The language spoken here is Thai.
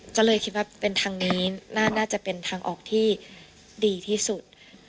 ก็เลยคิดว่าเป็นทางนี้น่าจะเป็นทางออกที่ดีที่สุด